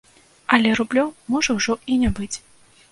Але рублёў можа ўжо і не быць.